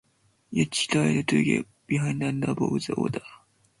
Each tried to get behind and above the other.